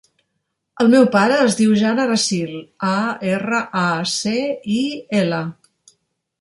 El meu pare es diu Jan Aracil: a, erra, a, ce, i, ela.